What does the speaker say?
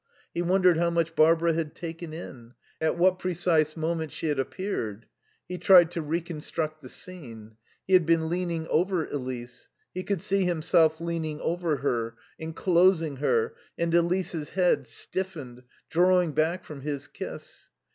He wondered how much Barbara had taken in, at what precise moment she had appeared. He tried to reconstruct the scene. He had been leaning over Elise; he could see himself leaning over her, enclosing her, and Elise's head, stiffened, drawing back from his kiss.